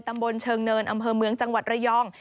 ตำบลเชิงเนินอำเภอเมืองจังหวัดระยอง